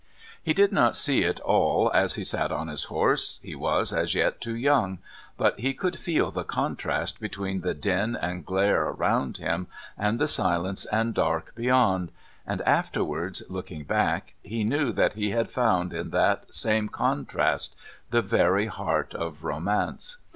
He did not see it all as he sat on his horse he was, as yet, too young; but he did feel the contrast between the din and glare around him and the silence and dark beyond, and, afterwards, looking back, he knew that he had found in that same contrast the very heart of romance.